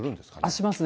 しますね。